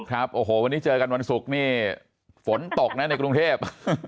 ครับโอ้โหวันนี้เจอกันวันศุกร์นี่ฝนตกนะในกรุงเทพ